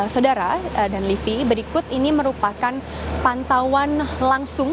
saudara dan livi berikut ini merupakan pantauan langsung